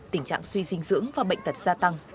tình trạng suy dinh dưỡng và bệnh tật gia tăng